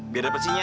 biar dapet sinyal